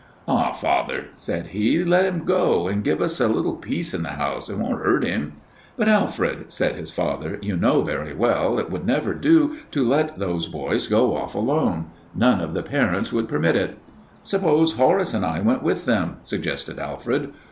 "Aw, father," said he, "let him go and give us a little peace in the house. It won't hurt him." "But, Alfred," said his father, "you know very well it would never do to let those boys go off alone. None of the parents would permit it." "Suppose Horace and I went with them," suggested Alfred.